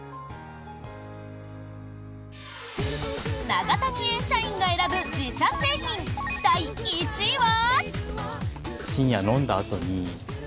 永谷園社員が選ぶ自社製品第１位は？